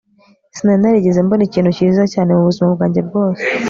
sinari narigeze mbona ikintu cyiza cyane mubuzima bwanjye bwose